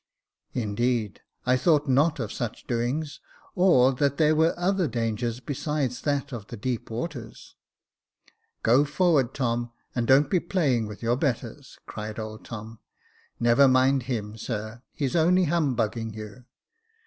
" Indeed, I thought not of such doings ; or that there were other dangers besides that of the deep waters." " Go forward, Tom, and don't be playing with your betters," cried old Tom. " Never mind him, sir, he's only humbugging you."